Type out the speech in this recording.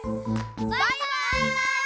バイバイ！